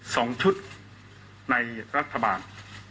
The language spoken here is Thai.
สองชุดในรัฐบาล